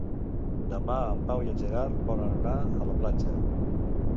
Demà en Pau i en Gerard volen anar a la platja.